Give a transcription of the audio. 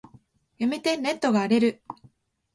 やめて、ネットが荒れる。